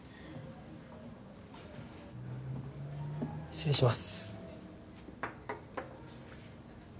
失礼します。